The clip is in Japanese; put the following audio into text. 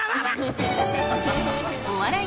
お笑い